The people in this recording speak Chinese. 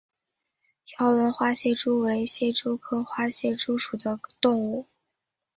条纹花蟹蛛为蟹蛛科花蟹蛛属的动物。